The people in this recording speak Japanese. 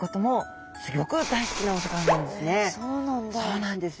そうなんです。